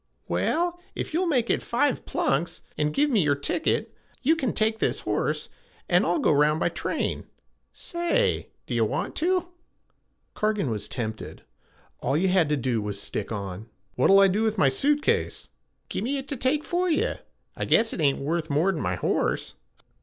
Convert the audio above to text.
Well, if you'll make it five plunks, and give me your ticket, you can take this horse, an' I'll go round by train. Say do you want to?' Cargan was tempted. All you had to do was to stick on. 'What'll I do with my suit case?' 'Gimme it to take for you. I guess it ain't worth more'n my horse.'